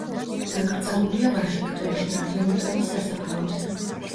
დაკრძალულია ვაშინგტონში არლინგტონის სასაფლაოზე.